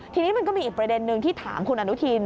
ทีนี้มันก็มีอีกประเด็นนึงที่ถามคุณอนุทิน